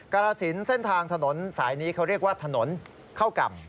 กรสินเส้นทางถนนสายนี้เขาเรียกว่าถนนเข้ากำ